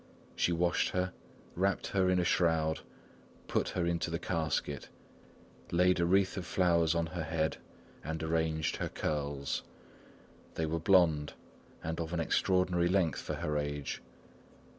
She washed her, wrapped her in a shroud, put her into the casket, laid a wreath of flowers on her head and arranged her curls. They were blond and of an extraordinary length for her age.